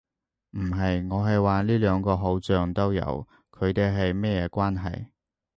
唔係。我係話呢兩個好像都有，佢地係乜嘢關係